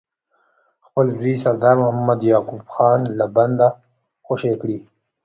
خپل زوی سردار محمد یعقوب خان له بنده خوشي کړي.